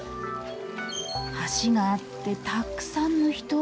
橋があってたくさんの人。